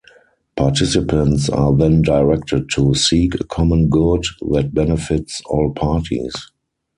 Participants are then directed to seek a common good that benefits all parties.